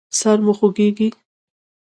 سر مو خوږیږي؟